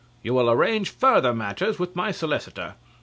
You will arrange further matters with my solicitor.